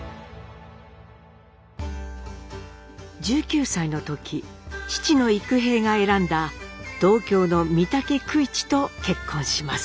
１９歳の時父の幾平が選んだ同郷の三竹九一と結婚します。